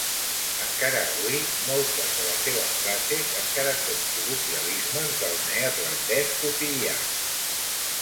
Encara avui, moltes de les seves frases encara són col·loquialismes del neerlandès quotidià.